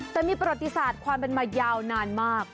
แต่มีประวัติศาสตร์ความเป็นมายาวนานมาก